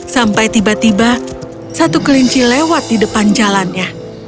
sampai tiba tiba satu kelinci lewat di depan jalannya